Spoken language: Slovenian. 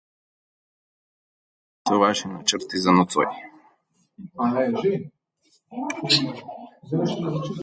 Torej, kakšni so vaši načrti za nocoj?